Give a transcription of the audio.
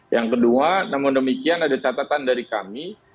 yang kedua namun demikian ada catatan dari kami